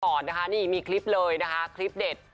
ตอนนี้มีคลิปเลยนะฮะคลิปเด็ด